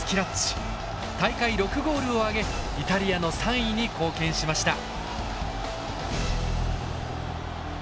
大会６ゴールを挙げイタリアの３位に貢献しました。